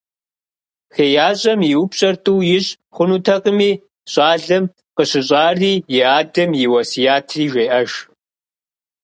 ХеящӀэм и упщӀэр тӀу ищӀ хъунутэкъыми, щӀалэм къыщыщӏари и адэм и уэсиятри жеӀэж.